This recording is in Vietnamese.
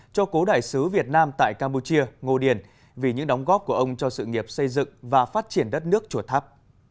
cho cố đại sứ việt nam tại campuchia ngô điền vì những đóng góp của ông cho sự nghiệp xây dựng và phát triển đất nước chùa tháp